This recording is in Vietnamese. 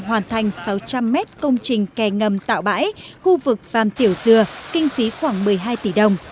hoàn thành sáu trăm linh mét công trình kè ngầm tạo bãi khu vực vàm tiểu dừa kinh phí khoảng một mươi hai tỷ đồng